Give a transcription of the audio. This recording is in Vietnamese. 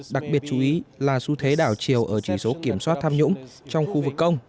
đặc biệt chú ý là xu thế đảo chiều ở chỉ số kiểm soát tham nhũng trong khu vực công